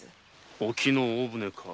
沖の大船か。